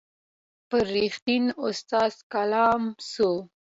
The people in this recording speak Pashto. پر رښتین استاد کلام سو